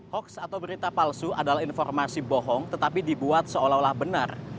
hoax atau berita palsu adalah informasi bohong tetapi dibuat seolah olah benar